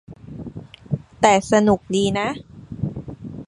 แต่สนุกดีนะ